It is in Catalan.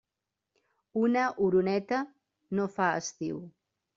Una oroneta no fa estiu.